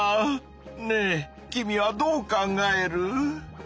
ねえ君はどう考える？